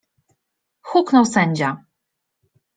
huknął sędzia.